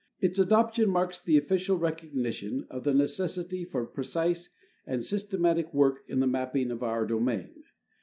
Its adoption marks the official recognition of the necessit}'' for precise and systematic work in the mapping of our domain.